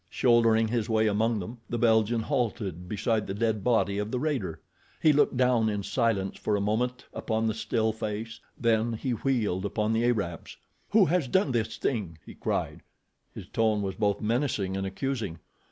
Shouldering his way among them, the Belgian halted beside the dead body of the raider. He looked down in silence for a moment upon the still face, then he wheeled upon the Arabs. "Who has done this thing?" he cried. His tone was both menacing and accusing.